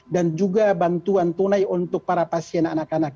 dan juga bantuan tunai untuk para pasien anak anak